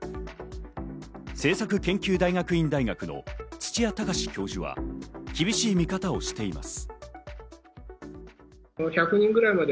政策研究大学院大学の土谷隆教授は、厳しい見方をしています。